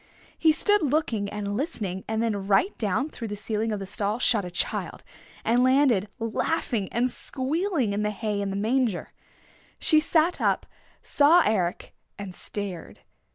He stood looking and listening, and then right down through the ceiling of the stall shot a child, and landed laughing and squealing in the hay in the manger. She sat up, saw Eric and stared.